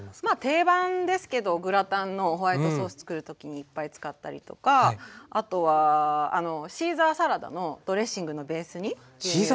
定番ですけどグラタンのホワイトソースつくる時にいっぱい使ったりとかあとはシーザーサラダのドレッシングのベースに牛乳と。